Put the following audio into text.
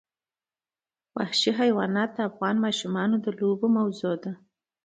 وحشي حیوانات د افغان ماشومانو د لوبو موضوع ده.